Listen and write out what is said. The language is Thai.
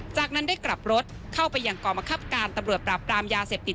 จากนั้นได้กลับรถเข้าไปยังกรมคับการตำรวจปราบปรามยาเสพติด